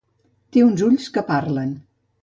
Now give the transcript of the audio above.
Té uns ulls que parlen.